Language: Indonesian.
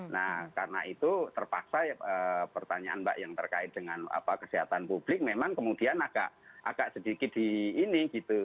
nah karena itu terpaksa pertanyaan mbak yang terkait dengan kesehatan publik memang kemudian agak sedikit di ini gitu